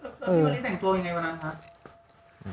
พี่มะลิแสดงตัวอย่างไรบ้างนะครับ